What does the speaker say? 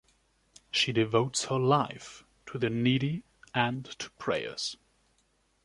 She devotes her life to the needy and to prayers.